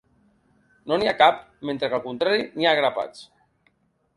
No n’hi ha cap, mentre que al contrari n’hi ha a grapats.